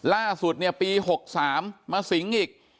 ล่าสุดปี๖๓จนมาสิงหล้างแม่อีก